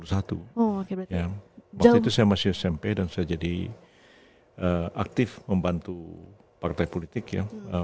waktu itu saya masih smp dan saya jadi aktif membantu partai politik ya